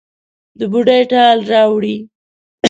د بوډۍ ټال راوړي